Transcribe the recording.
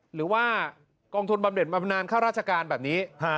หรือว่ากองทุนบำเด็ดบำนานค่าราชการแบบนี้